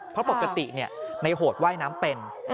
เพราะปกติในโหดว่ายน้ำเป็น